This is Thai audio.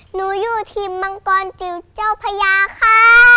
หนูอยู่ทีมมังกรจิ๋วเจ้าพญาค่ะ